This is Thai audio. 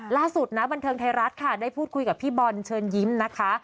ล่าสุดนะบันเทิงไทยรัฐค่ะได้พูดคุยกับพี่บอลเชิญยิ้มนะคะ